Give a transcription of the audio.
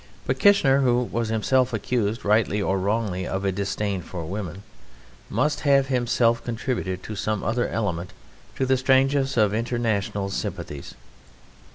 But Kitchener (who was himself accused, rightly or wrongly, of a disdain for women) must have himself contributed some other element to the strangest of international sympathies.